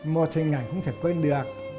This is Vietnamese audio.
một tháng ngày không thể quên được